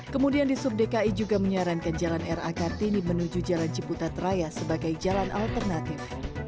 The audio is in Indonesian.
kemudian di sub dki juga menyarankan jalan ra kartini menuju jalan ciputat raya sebagai jalan alternatif